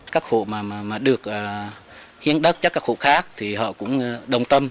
các khu mà được hiến đất các khu khác thì họ cũng đồng tâm